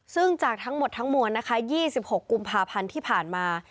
ซึ่งจากทั้งหมดทั้งมวลนะคะ๒๖กุมภาพันธ์ที่ผ่านมา